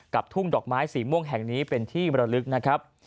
ทุ่งดอกไม้สีม่วงแห่งนี้เป็นที่บรรลึกนะครับ